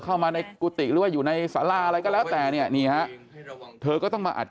เข้ามาในกุฏิหรือว่าอยู่ในสาราอะไรก็แล้วแต่เนี่ยนี่ฮะเธอก็ต้องมาอัด